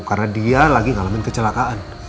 karena dia lagi ngalamin kecelakaan